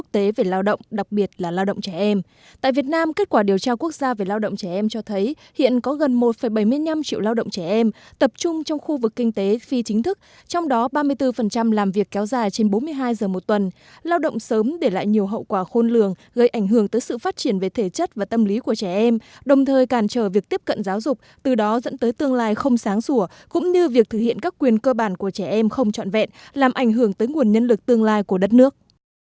trong đó ba mươi bốn làm việc kéo dài trên bốn mươi hai giờ một tuần lao động sớm để lại nhiều hậu quả khôn lường gây ảnh hưởng tới sự phát triển về thể chất và tâm lý của trẻ em đồng thời càn trở việc tiếp cận giáo dục từ đó dẫn tới tương lai không sáng sủa cũng như việc thực hiện các quyền cơ bản của trẻ em không chọn vẹn làm ảnh hưởng tới nguồn nhân lực tương lai của đất nước